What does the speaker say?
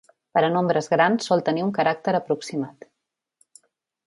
Per a nombres grans sol tenir un caràcter aproximat.